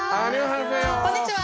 こんにちは！